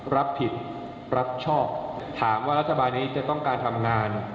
รับผิดรับชอบถามว่ารัฐบาลนี้จะต้องการทำงาน